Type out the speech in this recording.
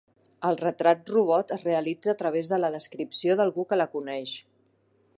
El retrat robot es realitza a través de la descripció d'algú que la coneix.